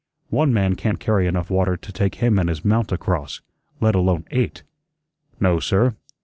"One man can't carry enough water to take him and his mount across, let alone EIGHT. No, sir.